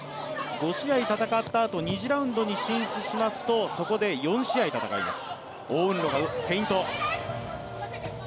５試合戦った後、２次ラウンドに進出しますと、そこで４試合戦います。